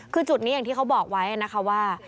คือจุดนี้อย่างที่เขาบอกไว้นะคะว่า